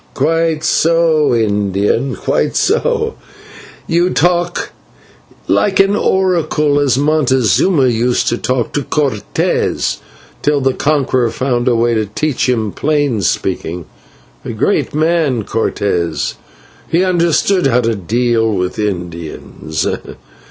"Quite so, Indian, quite so, you talk like an oracle, as Montezuma used to talk to Cortes till the Conqueror found a way to teach him plain speaking a great man, Cortes, he understood how to deal with Indians."